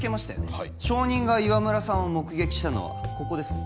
はい証人が岩村さんを目撃したのはここですね？